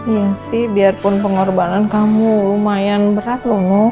iya sih biarpun pengorbanan kamu lumayan berat loh